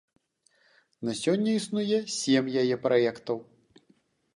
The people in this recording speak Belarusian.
На сёння існуе сем яе праектаў.